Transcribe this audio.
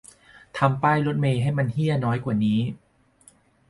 ทำป้ายรถเมล์ให้มันเหี้ยน้อยกว่านี้